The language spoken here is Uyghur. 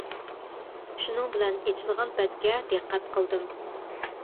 شۇنىڭ بىلەن ئېچىلغان بەتكە دىققەت قىلدىم.